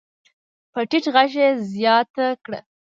په ټيټ غږ يې زياته کړه.